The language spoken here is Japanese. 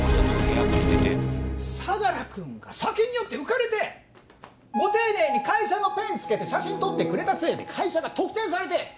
相良君が酒に酔って浮かれてご丁寧に会社のペンつけて写真撮ってくれたせいで会社が特定されて！